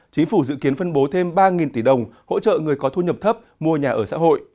chính phủ dự kiến phân bố thêm ba tỷ đồng hỗ trợ người có thu nhập thấp mua nhà ở xã hội